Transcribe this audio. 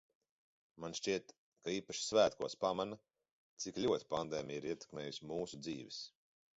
Man šķiet, ka it īpaši svētkos pamana, cik ļoti pandēmija ir ietekmējusi mūsu dzīves.